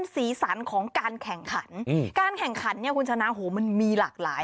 สีสันของการแข่งขันการแข่งขันเนี่ยคุณชนะโหมันมีหลากหลาย